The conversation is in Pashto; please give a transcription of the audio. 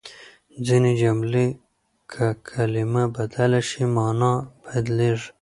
ځينې جملې که کلمه بدله شي، مانا بدلېږي.